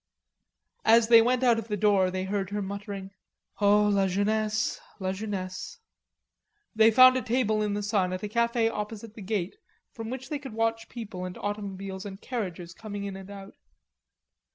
As they went out of the door they heard her muttering, "O la jeunesse, la jeunesse." They found a table in the sun at a cafe opposite the gate from which they could watch people and automobiles and carriages coming in and out.